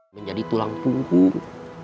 menjadi tulang punggung